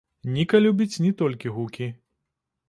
Ніка любіць не толькі гукі.